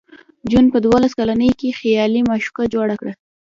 جون په دولس کلنۍ کې خیالي معشوقه جوړه کړه